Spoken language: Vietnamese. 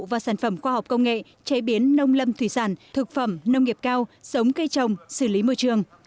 và sản phẩm khoa học công nghệ chế biến nông lâm thủy sản thực phẩm nông nghiệp cao sống cây trồng xử lý môi trường